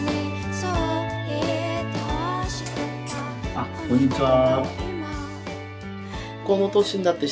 あっこんにちは。